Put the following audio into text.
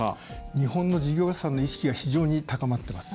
日本の事業者さんの意識が非常に高まってます。